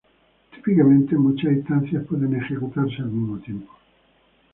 Típicamente, muchas instancias pueden ejecutarse al mismo tiempo.